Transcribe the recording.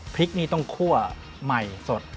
พริกนี่ต้องคั่วใหม่สด